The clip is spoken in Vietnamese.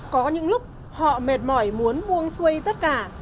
có những lúc họ mệt mỏi muốn vuông xuây tất cả